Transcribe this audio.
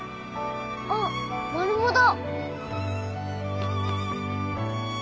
あっマルモだ。